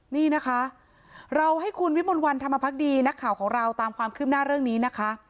นี่นะคะเราให้คุณวิมลวันธรรมพักดีนักข่าวของเราตามความคืบหน้าเรื่องนี้นะคะ